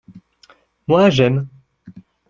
Moi, j’aime.